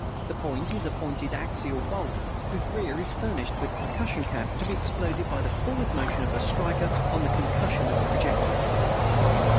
The point is a pointed axical bolt, whose rear is furnished with a percussion cap, to be exploded by the forward motion of a striker on the concussion of the projectile.